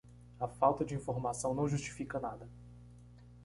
A falta de informação não justifica nada.